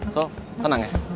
so tenang ya